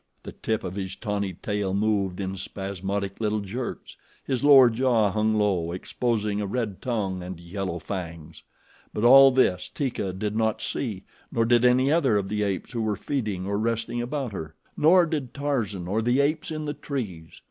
The tip of his tawny tail moved in spasmodic little jerks; his lower jaw hung low, exposing a red tongue and yellow fangs. But all this Teeka did not see, nor did any other of the apes who were feeding or resting about her. Nor did Tarzan or the apes in the trees.